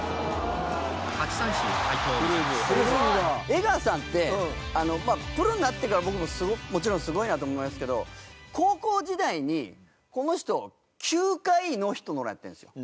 江川さんってプロになってから僕ももちろんすごいなと思いますけど高校時代にこの人９回ノーヒットノーランやってるんですよ。